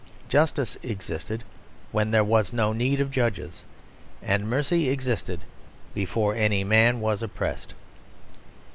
Justice existed when there was no need of judges, and mercy existed before any man was oppressed.